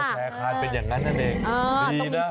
อ๋อแชร์คานเป็นอย่างนั้นนั่นเองดีนะ